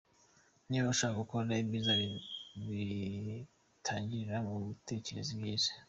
Niba ushaka gukora ibyiza, bitangirira mu gutekereza ibyiza.